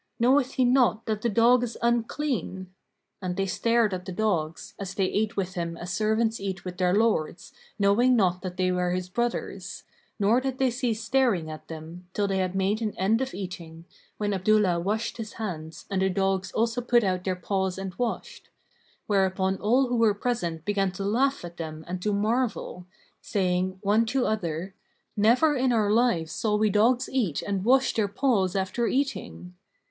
Knoweth he not that the dog is unclean?[FN#538]" And they stared at the dogs, as they ate with him as servants eat with their lords,[FN#539] knowing not that they were his brothers; nor did they cease staring at them, till they had made an end of eating, when Abdullah washed his hands and the dogs also put out their paws and washed; whereupon all who were present began to laugh at them and to marvel, saying, one to other, "Never in our lives saw we dogs eat and wash their paws after eating!"